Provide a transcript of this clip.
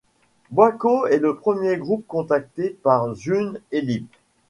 Boikot est le premier groupe contacté par Xune Elipe.